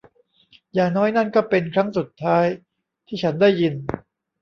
อย่างน้อยนั่นก็เป็นครั้งสุดท้ายที่ฉันได้ยิน